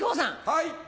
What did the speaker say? はい。